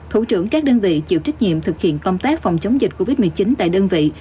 thủ trưởng các đơn vị chịu trách nhiệm thực hiện công tác phòng chống dịch covid một mươi chín tại đơn vị